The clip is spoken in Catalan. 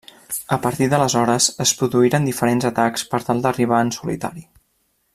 A partir d'aleshores es produïren diferents atacs per tal d'arribar en solitari.